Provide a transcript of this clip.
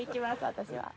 私は。